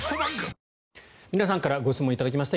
皆さんからご質問頂きました。